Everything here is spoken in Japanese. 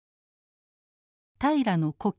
平良の故郷